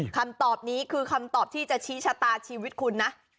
คำตอบนี้คือคำตอบที่จะชี้ชะตาชีวิตคุณนะ